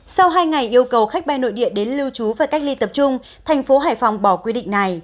sau hai ngày yêu cầu khách bay nội địa đến lưu trú và cách ly tập trung thành phố hải phòng bỏ quy định này